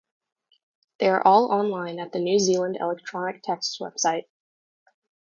They are all online at the New Zealand Electronic Texts website.